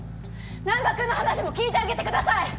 難破君の話も聞いてあげてください！